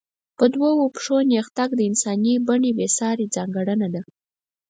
په دوو پښو نېغ تګ د انساني بڼې بېسارې ځانګړنه ده.